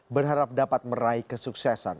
berharap dapat meraih kesuksesan